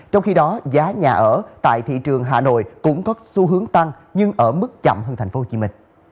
trong khi đó giá nhà ở tại thị trường hà nội cũng có xu hướng tăng nhưng ở mức chậm hơn tp hcm